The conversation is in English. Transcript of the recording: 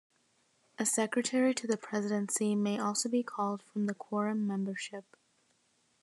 A secretary to the presidency may also be called from the quorum membership.